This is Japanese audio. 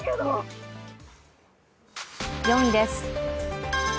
４位です。